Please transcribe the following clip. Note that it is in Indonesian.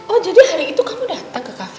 oh jadi hari itu kamu datang ke kafe